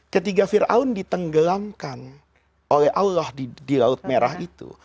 ketika fir'aun ditenggelamkan oleh allah di laut merah itu